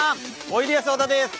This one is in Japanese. おいでやす小田です。